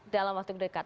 dalam waktu dekat